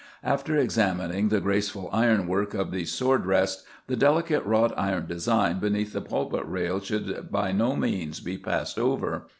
After examining the graceful ironwork of these sword rests, the delicate wrought iron design beneath the pulpit rail should by no means be passed over.